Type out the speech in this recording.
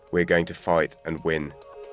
kita akan berjuang dan menang